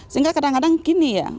sehingga kadang kadang gini ya